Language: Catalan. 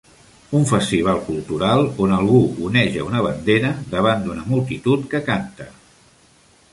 Un festival cultural on algú oneja una bandera davant d'una multitud que canta.